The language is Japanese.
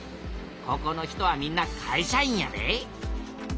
ここの人はみんな会社員やで。